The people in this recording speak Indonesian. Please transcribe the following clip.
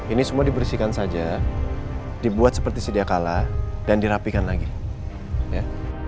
ini semua dibersihkan saja dibuat seperti sedia kala dan dirapikan lagi ya